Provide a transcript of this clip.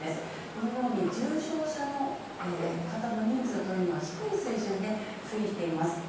このように重症者の方の人数というのは、低い水準で推移しています。